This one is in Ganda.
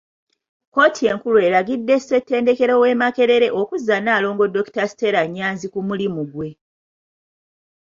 Kkooti enkulu eragidde Ssettendekero w'e Makerere okuzza Nalongo Dokita Stella Nyanzi ku mulimu gwe.